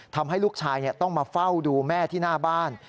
ทำให้ลูกชายต้องมาเฝ้าดูแม่ที่หน้าบ้าน